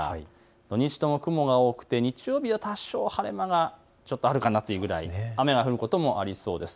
土日とも雲が多くて日曜日は多少、晴れ間があるかなというぐらい、雨が降ることもありそうです。